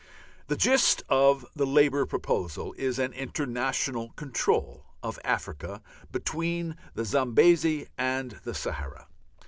The gist of the Labour proposal is an international control of Africa between the Zambesi and the Sahara.